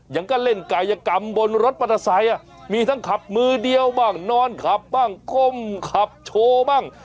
ยังก็เล่นกายกรรมบนรถมอเตอร์ไซค์มีทั้งขับมือเดียวบ้างนอนขับบ้างก้มขับโชว์บ้าง